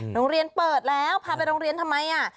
โรงเรียนเปิดแล้วพาไปโรงเรียนทำไม